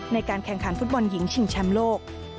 ในการแข่งขันฟุตบอลหญิงชิงแชมป์โลก